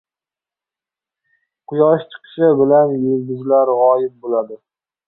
• Quyosh chiqishi bilan yulduzlar g‘oyib bo‘ladi.